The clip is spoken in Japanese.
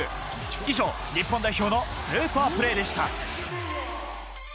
以上、日本代表のスーパープレーでした。